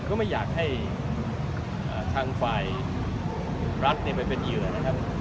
ก็ไม่อยากให้ทางฝ่ายรัฐไปเป็นเหยื่อนะครับ